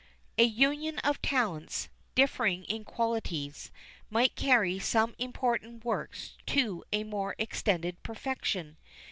A union of talents, differing in their qualities, might carry some important works to a more extended perfection.